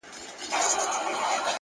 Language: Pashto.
سیاه پوسي ده ـ ماسوم یې ژاړي ـ